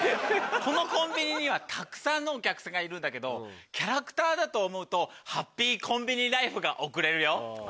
このコンビニにはたくさんのお客さんがいるんだけどキャラクターだと思うとハッピーコンビニライフが送れるよ。